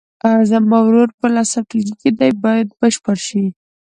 زما ورور په لسم ټولګي کې دی باید بشپړ شي.